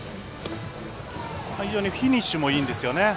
非常にフィニッシュもいいですよね。